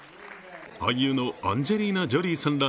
俳優のアンジェリーナ・ジョリーさんら